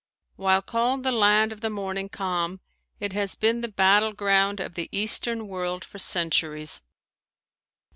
While called the "Land of the Morning Calm," it has been the battleground of the eastern world for centuries.